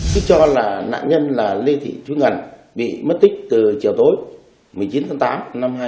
tức cho là nạn nhân lê thị thúy ngân bị mất tích từ chiều tối một mươi chín tháng tám năm hai nghìn một mươi ba